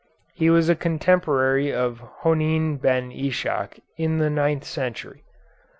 He was a contemporary of Honein Ben Ischak in the ninth century.